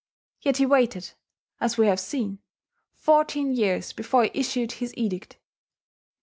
Yet he waited, as we have seen, fourteen years before he issued his edict.